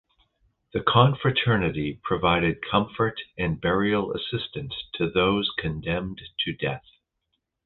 The confraternity provided comfort and burial assistance to those condemned to death.